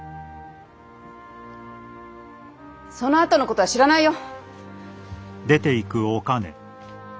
そのあとの事は知らないよ。